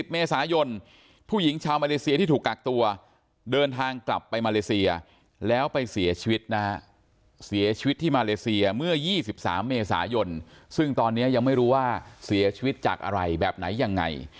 เมษายนผู้หญิงชาวมาเลเซียที่ถูกกักตัวเดินทางกลับไปมาเลเซียแล้วไปเสียชีวิตนะฮะเสียชีวิตที่มาเลเซียเมื่อ๒๓เมษายนซึ่งตอนนี้ยังไม่รู้ว่าเสียชีวิตจากอะไรแบบไหนยังไง